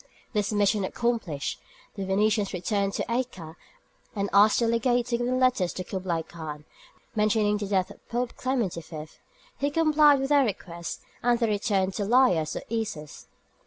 This mission accomplished, the Venetians returned to Acre and asked the legate to give them letters to Kublaï Khan, mentioning the death of Pope Clement IV.; he complied with their request, and they returned to Laïas or Issus.